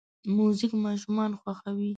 موزیک ماشومان خوښوي.